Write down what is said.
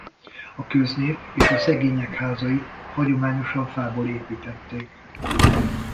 A köznép és a szegények házait hagyományosan fából építették.